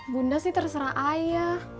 bunda sih terserah ayah